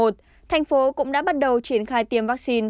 thành phố cũng đã bắt đầu triển khai tiêm vaccine